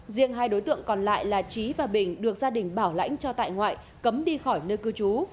riêng hai đối tượng còn lại là trí và bình được gia đình bảo lãnh cho tại ngoại cấm đi khỏi nơi cư trú